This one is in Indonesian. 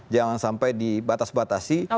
jangan sampai dibatas batasi